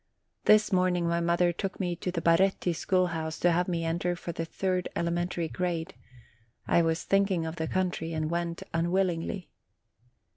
This morning my mother took me to the Baretti school house to have me enter for the third elementary grade : I was thinking of the country, and went unwillingly.